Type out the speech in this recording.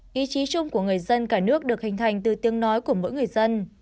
ý chí chung của người dân cả nước được hình thành từ tiếng nói của mỗi người dân